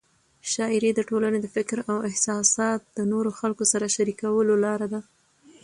شاعري د ټولنې د فکر او احساسات د نورو خلکو سره شریکولو لار ده.